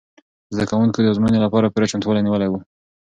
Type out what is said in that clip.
زده کوونکو د ازموینې لپاره پوره چمتووالی نیولی و.